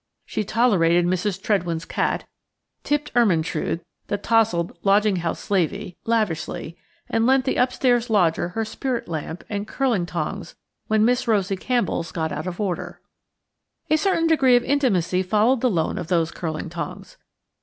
She tolerated Mrs. Tredwen's cat, tipped Ermyntrude–the tousled lodging house slavey–lavishly, and lent the upstairs lodger her spirit lamp and curling tongs when Miss Rosie Campbell's got out of order. A certain degree of intimacy followed the loan of those curling tongs.